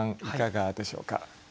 いかがでしょうか？